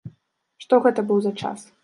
Што гэта быў за час?